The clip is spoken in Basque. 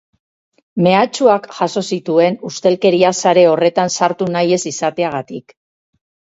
Mehatxuak jaso zituen ustelkeria sare horretan sartu nahi ez izateagatik.